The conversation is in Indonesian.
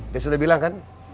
dia sudah bilang kan